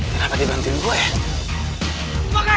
kenapa dia bantuin gue ya